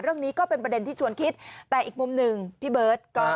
ก็เป็นประเด็นที่ชวนคิดแต่อีกมุมหนึ่งพี่เบิร์ตก็